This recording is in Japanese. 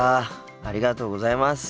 ありがとうございます。